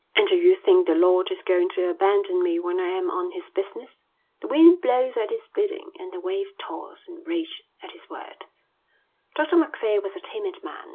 And do you think the Lord is going to abandon me when I am on his business? The wind blows at his bidding and the waves toss and rage at his word." Dr Macphail was a timid man.